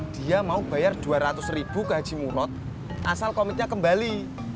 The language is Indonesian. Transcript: dia mau bayar dua ratus ribu ke haji mulot asal komitnya kembali